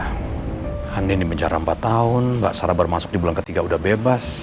khandi di menjara empat tahun mbak sara bermasuki bulan ketiga udah bebas